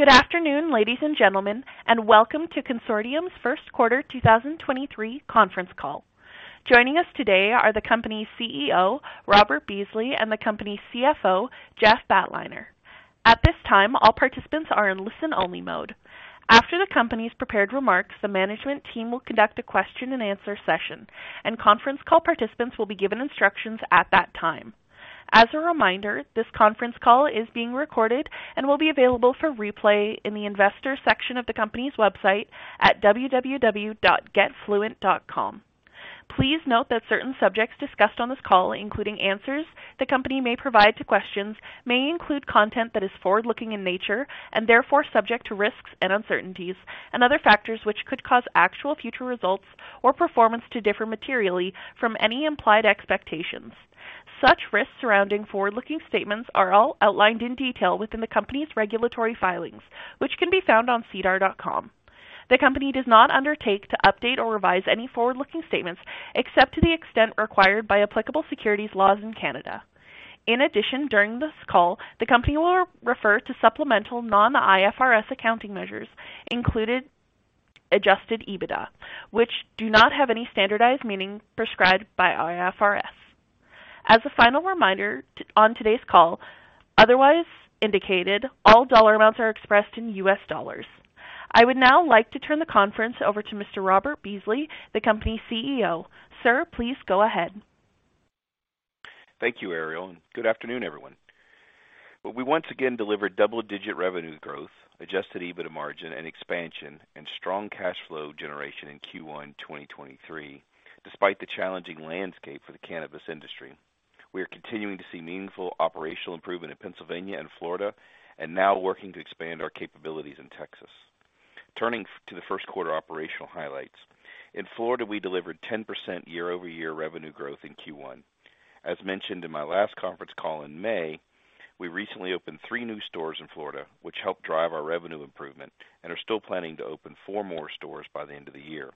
Good afternoon, ladies and gentlemen, and welcome to Cansortium's first quarter 2023 conference call. Joining us today are the company's CEO, Robert Beasley, and the company's CFO, Jeff Batliner. At this time, all participants are in listen-only mode. After the company's prepared remarks, the management team will conduct a question and answer session, and conference call participants will be given instructions at that time. As a reminder, this conference call is being recorded and will be available for replay in the Investors section of the company's website at www.getfluent.com. Please note that certain subjects discussed on this call, including answers the company may provide to questions, may include content that is forward-looking in nature, and therefore subject to risks and uncertainties and other factors which could cause actual future results or performance to differ materially from any implied expectations. Such risks surrounding forward-looking statements are all outlined in detail within the company's regulatory filings, which can be found on sedar.com. The company does not undertake to update or revise any forward-looking statements, except to the extent required by applicable securities laws in Canada. In addition, during this call, the company will refer to supplemental non-IFRS accounting measures, including Adjusted EBITDA, which do not have any standardized meaning prescribed by IFRS. As a final reminder, on today's call, otherwise indicated, all dollar amounts are expressed in US dollars. I would now like to turn the conference over to Mr. Robert Beasley, the company's CEO. Sir, please go ahead. Thank you, Ariel, and good afternoon, everyone. We once again delivered double-digit revenue growth, Adjusted EBITDA margin and expansion, and strong cash flow generation in Q1, twenty twenty-three, despite the challenging landscape for the cannabis industry. We are continuing to see meaningful operational improvement in Pennsylvania and Florida, and now working to expand our capabilities in Texas. Turning to the first quarter operational highlights. In Florida, we delivered 10% year-over-year revenue growth in Q1. As mentioned in my last conference call in May, we recently opened three new stores in Florida, which helped drive our revenue improvement and are still planning to open four more stores by the end of the year.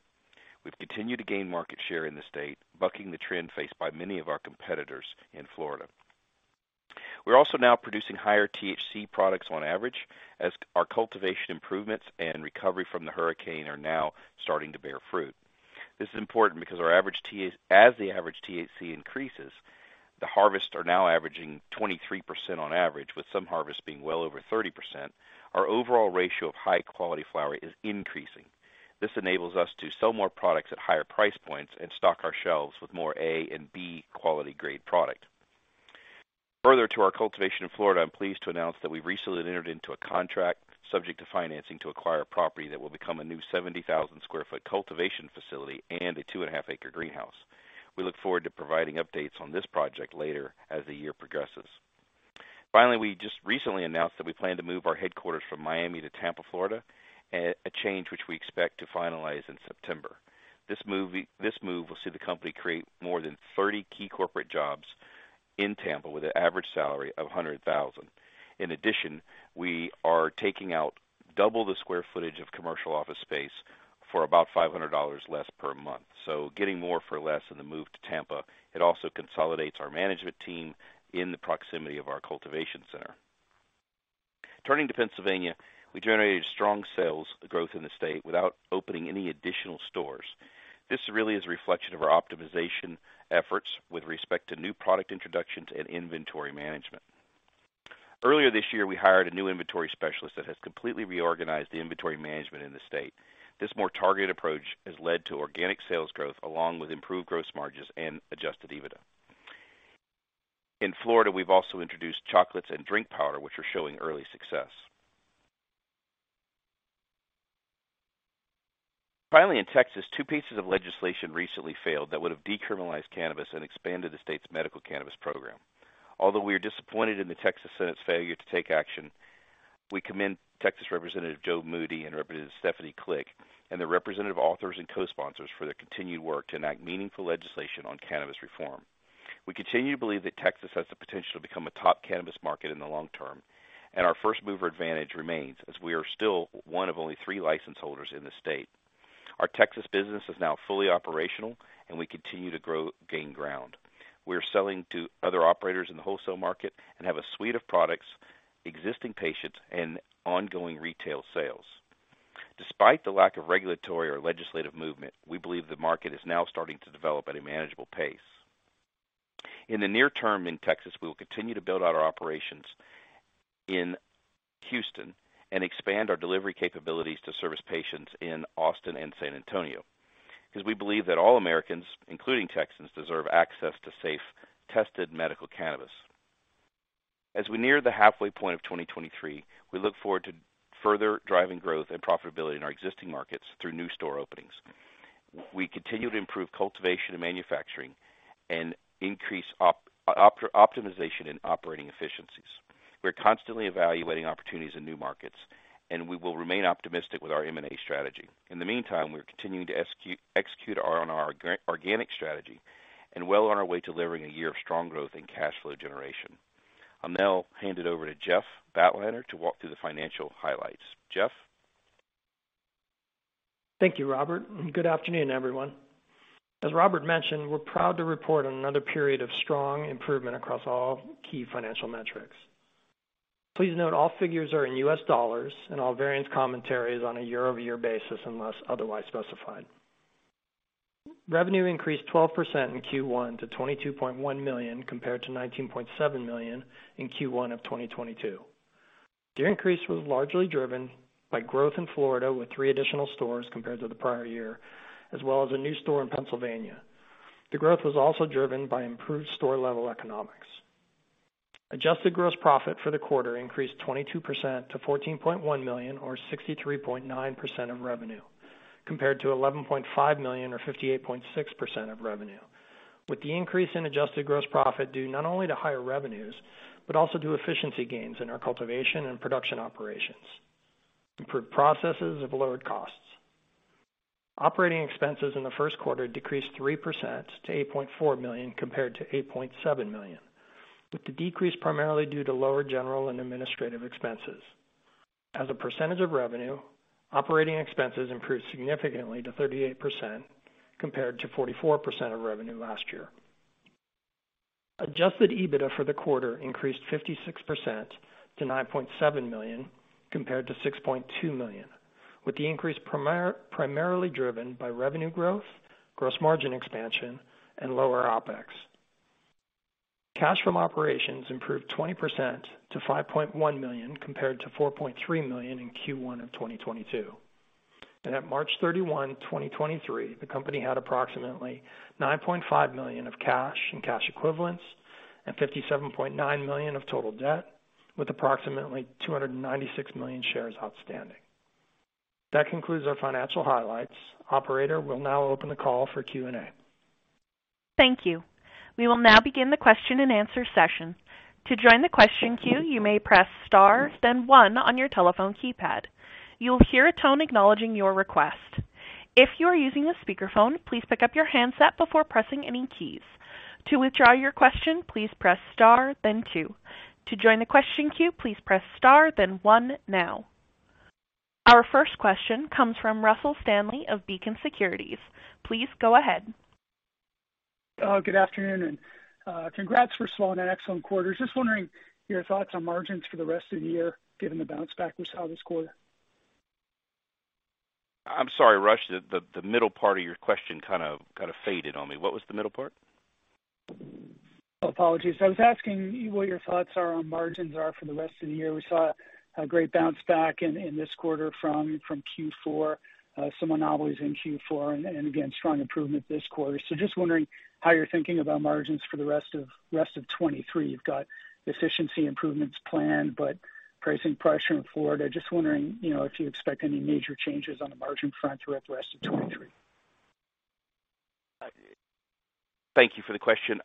We've continued to gain market share in the state, bucking the trend faced by many of our competitors in Florida. We're also now producing higher THC products on average, as our cultivation improvements and recovery from the hurricane are now starting to bear fruit. This is important because as the average THC increases, the harvest are now averaging 23% on average, with some harvests being well over 30%. Our overall ratio of high-quality flower is increasing. This enables us to sell more products at higher price points and stock our shelves with more A and B quality grade product. Further to our cultivation in Florida, I'm pleased to announce that we recently entered into a contract subject to financing to acquire a property that will become a new 70,000 sq ft cultivation facility and a two and a half acre greenhouse. We look forward to providing updates on this project later as the year progresses. We just recently announced that we plan to move our headquarters from Miami to Tampa, Florida, a change which we expect to finalize in September. This move will see the company create more than 30 key corporate jobs in Tampa with an average salary of $100,000. In addition, we are taking out double the square footage of commercial office space for about $500 less per month. Getting more for less in the move to Tampa. It also consolidates our management team in the proximity of our cultivation center. Turning to Pennsylvania, we generated strong sales growth in the state without opening any additional stores. This really is a reflection of our optimization efforts with respect to new product introductions and inventory management. Earlier this year, we hired a new inventory specialist that has completely reorganized the inventory management in the state. This more targeted approach has led to organic sales growth, along with improved gross margins and Adjusted EBITDA. In Florida, we've also introduced chocolates and drink powder, which are showing early success. Finally, in Texas, two pieces of legislation recently failed that would have decriminalized cannabis and expanded the state's medical cannabis program. Although we are disappointed in the Texas Senate's failure to take action, we commend Texas Representative Joe Moody and Representative Stephanie Klick and the representative authors and co-sponsors for their continued work to enact meaningful legislation on cannabis reform. We continue to believe that Texas has the potential to become a top cannabis market in the long term, and our first-mover advantage remains as we are still one of only three license holders in the state. Our Texas business is now fully operational, and we continue to grow, gain ground. We are selling to other operators in the wholesale market and have a suite of products, existing patients, and ongoing retail sales. Despite the lack of regulatory or legislative movement, we believe the market is now starting to develop at a manageable pace. In the near term in Texas, we will continue to build out our operations in Houston and expand our delivery capabilities to service patients in Austin and San Antonio, because we believe that all Americans, including Texans, deserve access to safe, tested medical cannabis. As we near the halfway point of 2023, we look forward to further driving growth and profitability in our existing markets through new store openings. We continue to improve cultivation and manufacturing and increase optimization and operating efficiencies. We are constantly evaluating opportunities in new markets, and we will remain optimistic with our M&A strategy. In the meantime, we are continuing to execute on our organic strategy and well on our way to delivering a year of strong growth and cash flow generation. I'll now hand it over to Jeffrey Batliner to walk through the financial highlights. Jeff? Thank you, Robert. Good afternoon, everyone. As Robert mentioned, we're proud to report on another period of strong improvement across all key financial metrics. Please note, all figures are in US dollars, and all variance commentary is on a year-over-year basis unless otherwise specified. Revenue increased 12% in Q1 to $22.1 million, compared to $19.7 million in Q1 of 2022. The increase was largely driven by growth in Florida, with three additional stores compared to the prior year, as well as a new store in Pennsylvania. The growth was also driven by improved store-level economics. Adjusted gross profit for the quarter increased 22% to $14.1 million, or 63.9% of revenue, compared to $11.5 million or 58.6% of revenue, with the increase in adjusted gross profit due not only to higher revenues, but also to efficiency gains in our cultivation and production operations, improved processes of lowered costs. Operating expenses in the first quarter decreased 3% to $8.4 million, compared to $8.7 million, with the decrease primarily due to lower general and administrative expenses. As a percentage of revenue, operating expenses improved significantly to 38%, compared to 44% of revenue last year. Adjusted EBITDA for the quarter increased 56% to $9.7 million, compared to $6.2 million, with the increase primarily driven by revenue growth, gross margin expansion, and lower OpEx. Cash from operations improved 20% to $5.1 million, compared to $4.3 million in Q1 of 2022. At March 31, 2023, the company had approximately $9.5 million of cash and cash equivalents and $57.9 million of total debt, with approximately 296 million shares outstanding. That concludes our financial highlights. Operator, we'll now open the call for Q&A. Thank you. We will now begin the question-and-answer session. To join the question queue, you may press Star, then 1 on your telephone keypad. You will hear a tone acknowledging your request. If you are using a speakerphone, please pick up your handset before pressing any keys. To withdraw your question, please press Star then 2. To join the question queue, please press Star then 1 now. Our first question comes from Russell Stanley of Beacon Securities. Please go ahead. Good afternoon, and congrats for slowing that excellent quarter. Just wondering your thoughts on margins for the rest of the year, given the bounce back we saw this quarter. I'm sorry, Russ, the middle part of your question kind of faded on me. What was the middle part? Apologies. I was asking what your thoughts are on margins for the rest of the year. We saw a great bounce back in this quarter from Q4, some anomalies in Q4 and again, strong improvement this quarter. Just wondering how you're thinking about margins for the rest of 2023. You've got efficiency improvements planned, but pricing pressure in Florida. Just wondering, you know, if you expect any major changes on the margin front throughout the rest of 2023. Thank you for the question.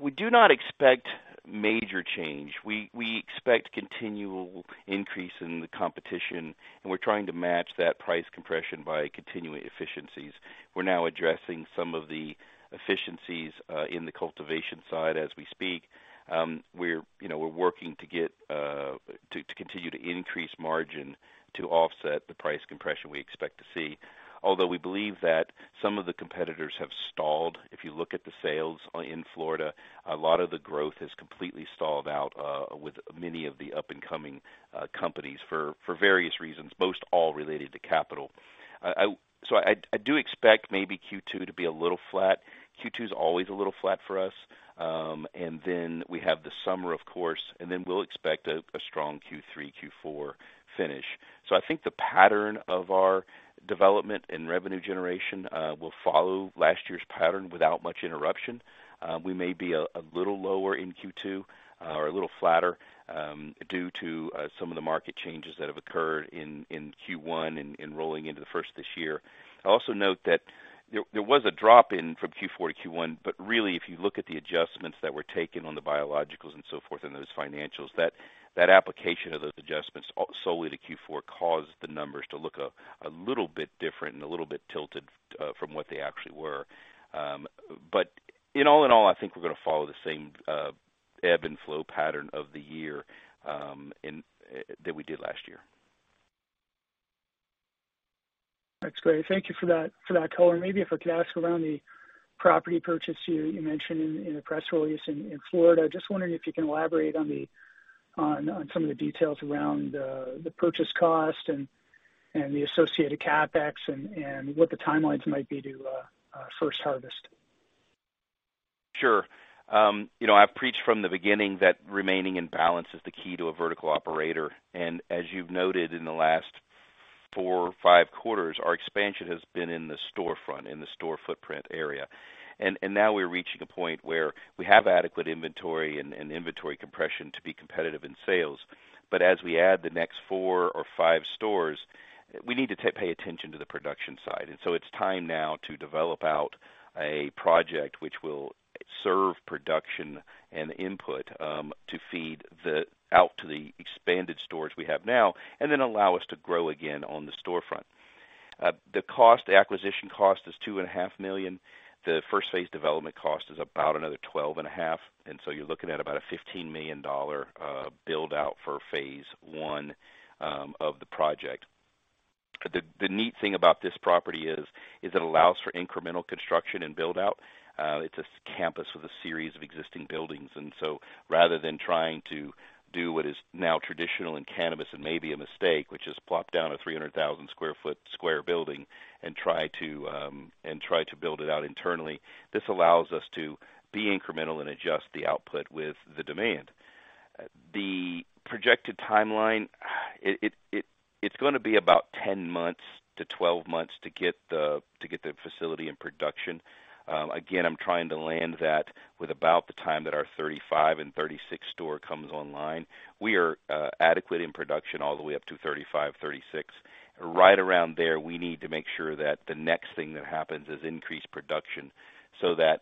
We do not expect major change. We expect continual increase in the competition, and we're trying to match that price compression by continuing efficiencies. We're now addressing some of the efficiencies in the cultivation side as we speak. We're, you know, we're working to get to continue to increase margin to offset the price compression we expect to see. Although we believe that some of the competitors have stalled. If you look at the sales in Florida, a lot of the growth has completely stalled out with many of the up-and-coming companies for various reasons, most all related to capital. I do expect maybe Q2 to be a little flat. Q2 is always a little flat for us. Then we have the summer, of course, and then we'll expect a strong Q3, Q4 finish. I think the pattern of our development and revenue generation will follow last year's pattern without much interruption. We may be a little lower in Q2 or a little flatter due to some of the market changes that have occurred in Q1 and rolling into the first this year. I also note that there was a drop in from Q4 to Q1, really, if you look at the adjustments that were taken on the biologicals and so forth in those financials, that application of those adjustments solely to Q4 caused the numbers to look a little bit different and a little bit tilted from what they actually were. In all, I think we're going to follow the same ebb and flow pattern of the year, in, that we did last year. That's great. Thank you for that, for that color. Maybe if I could ask around the property purchase you mentioned in the press release in Florida, just wondering if you can elaborate on some of the details around the purchase cost and the associated CapEx and what the timelines might be to first harvest? Sure. you know, I've preached from the beginning that remaining in balance is the key to a vertical operator, as you've noted in the last 4 or 5 quarters, our expansion has been in the storefront, in the store footprint area. Now we're reaching a point where we have adequate inventory and inventory compression to be competitive in sales. As we add the next 4 or 5 stores, we need to pay attention to the production side. It's time now to develop out a project which will serve production and input, to feed out to the expanded stores we have now and then allow us to grow again on the storefront. The cost, the acquisition cost is $ two and a half million. The first phase development cost is about another $12.5 million, and so you're looking at about a $15 million build-out for phase 1 of the project. The neat thing about this property is it allows for incremental construction and build-out. It's a campus with a series of existing buildings, and so rather than trying to do what is now traditional in cannabis, and may be a mistake, which is plop down a 300,000 sq ft square building and try to build it out internally, this allows us to be incremental and adjust the output with the demand. The projected timeline, it's gonna be about 10 months to 12 months to get the facility in production. Again, I'm trying to land that with about the time that our 35 and 36 store comes online. We are adequate in production all the way up to 35, 36. Right around there, we need to make sure that the next thing that happens is increased production, so that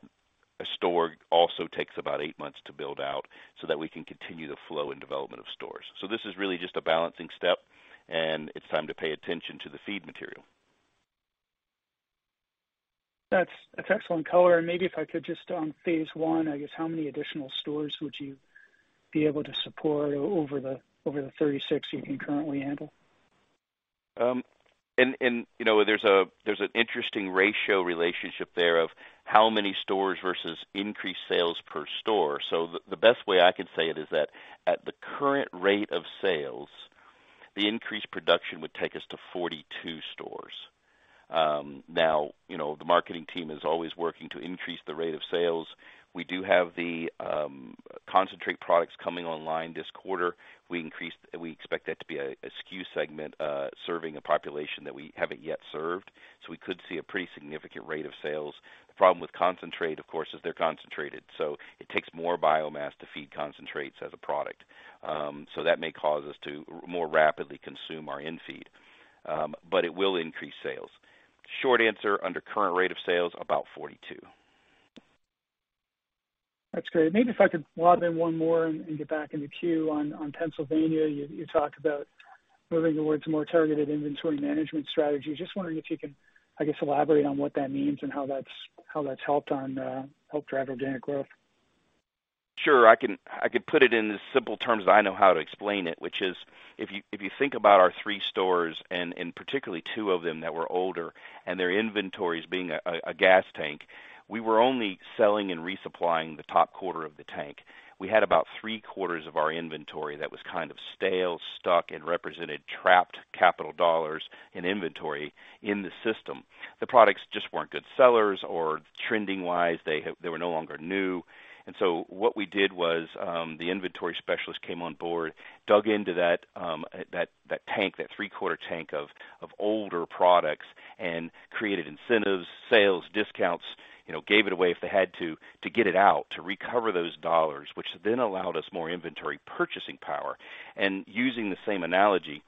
a store also takes about eight months to build out, so that we can continue the flow and development of stores. This is really just a balancing step, and it's time to pay attention to the feed material. That's excellent color. Maybe if I could just, phase one, I guess, how many additional stores would you be able to support over the 36 you can currently handle? You know, there's an interesting ratio relationship there of how many stores versus increased sales per store. The best way I can say it is that at the current rate of sales, the increased production would take us to 42 stores. Now, you know, the marketing team is always working to increase the rate of sales. We do have the concentrate products coming online this quarter. We expect that to be a SKU segment, serving a population that we haven't yet served, so we could see a pretty significant rate of sales. The problem with concentrate, of course, is they're concentrated, so it takes more biomass to feed concentrates as a product. That may cause us to more rapidly consume our in-feed, but it will increase sales. Short answer, under current rate of sales, about 42. That's great. Maybe if I could lob in one more and get back in the queue. On Pennsylvania, you talked about moving towards a more targeted inventory management strategy. Just wondering if you can, I guess, elaborate on what that means and how that's helped drive organic growth? Sure. I could put it in the simple terms that I know how to explain it, which is, if you think about our three stores, and particularly two of them that were older, and their inventories being a gas tank, we were only selling and resupplying the top quarter of the tank. We had about three quarters of our inventory that was kind of stale, stuck, and represented trapped capital dollars in inventory in the system. The products just weren't good sellers, trending-wise, They were no longer new. What we did was, the inventory specialist came on board, dug into that tank, that three-quarter tank of older products and created incentives, sales, discounts, you know, gave it away if they had to get it out, to recover those dollars, which then allowed us more inventory purchasing power. Using the same analogy,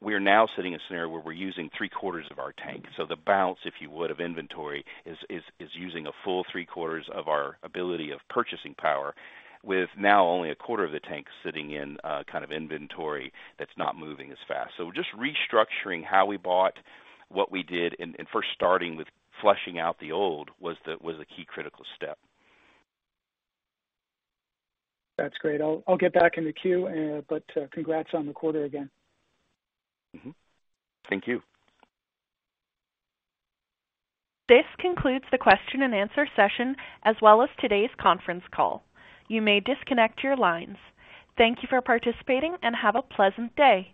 we are now sitting in a scenario where we're using three quarters of our tank. The balance, if you would, of inventory, is using a full three quarters of our ability of purchasing power, with now only a quarter of the tank sitting in kind of inventory that's not moving as fast. Just restructuring how we bought, what we did, and first starting with flushing out the old was a key critical step. That's great. I'll get back in the queue, but congrats on the quarter again. Thank you. This concludes the question and answer session, as well as today's conference call. You may disconnect your lines. Thank you for participating, and have a pleasant day.